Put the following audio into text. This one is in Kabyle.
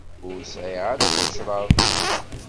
Ur sɛiɣ ara ticreḍt.